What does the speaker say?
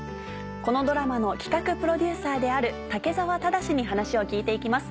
このドラマの企画プロデューサーである武澤忠に話を聞いて行きます